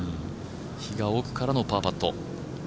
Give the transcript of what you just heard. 比嘉、奥からのパーパット。